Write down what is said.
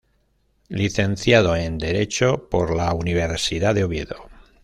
Licenciado en Derecho por la Universidad de Oviedo.